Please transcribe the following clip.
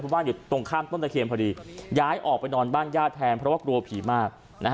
บ้านอยู่ตรงข้ามต้นตะเคียนพอดีย้ายออกไปนอนบ้านญาติแทนเพราะว่ากลัวผีมาก